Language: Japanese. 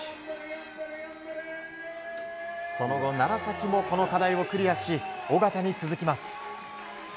その後、楢崎もこの課題をクリアし緒方に続きます。